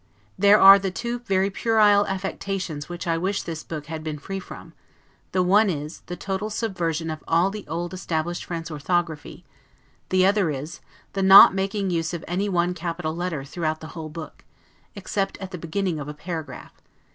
There are two very puerile affectations which I wish this book had been free from; the one is, the total subversion of all the old established French orthography; the other is, the not making use of any one capital letter throughout the whole book, except at the beginning of a paragraph.